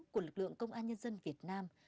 của lực lượng công an nhân dân việt nam